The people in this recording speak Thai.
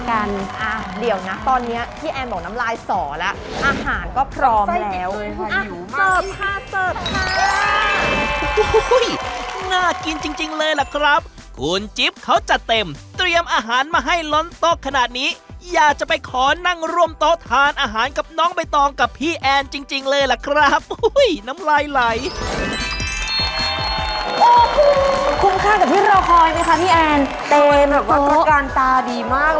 อ่ะเดี๋ยวนะตอนเนี้ยพี่แอนบอกน้ำลายส่อแล้วอาหารก็พร้อมแล้วอ่ะเสิร์ฟค่ะเสิร์ฟค่ะน่ากินจริงจริงเลยแหละครับคุณจิ๊บเขาจะเต็มเตรียมอาหารมาให้ร้อนโต๊กขนาดนี้ยาจะไปขอนั่งร่วมโต๊ะทานอาหารกับน้องใบตองกับพี่แอนจริงจริงเลยแหละครับน้ำลายไหลคุ้มค่ากับพี่เราคอยไหมคะ